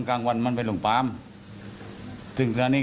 ครับผมก็ไม่รู้ว่าอยู่ไหน